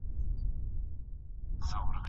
سړه څیله کې له ګلیون سره لا نه یم بلد